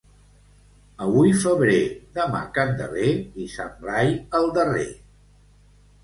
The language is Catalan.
Avui febrer, demà Candeler i Sant Blai el darrer.